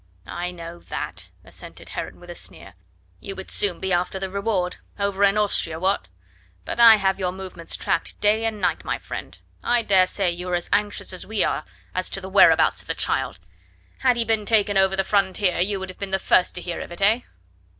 "I know that," assented Heron with a sneer; "you would soon be after the reward over in Austria, what? but I have your movements tracked day and night, my friend. I dare say you are as anxious as we are as to the whereabouts of the child. Had he been taken over the frontier you would have been the first to hear of it, eh?